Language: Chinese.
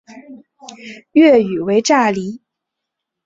粤语为炸厘。